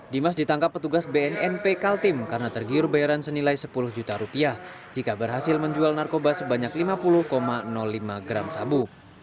dimas ditangkap petugas bnnp kaltim karena tergiur bayaran senilai sepuluh juta rupiah jika berhasil menjual narkoba sebanyak lima puluh lima gram sabu